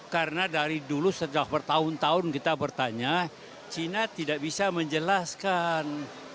karena dari dulu setelah bertahun tahun kita bertanya china tidak bisa menjelaskan